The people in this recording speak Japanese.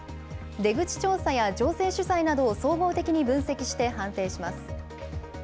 出口調査や情勢取材などを総合的に分析して判定します。